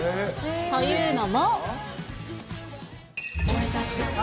というのも。